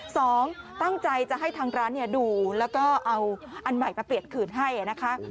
สองตั้งใจจะให้ทางร้านดูแล้วก็เอาอันใหม่มาเปลี่ยนคืนให้นะคะ